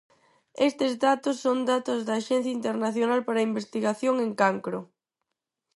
Estes datos son datos da Axencia Internacional para a Investigación en Cancro.